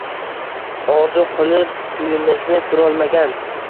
Orzu qilib tuyimizni kurolmagan